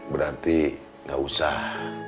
berarti gak usah